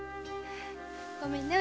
ごめんね。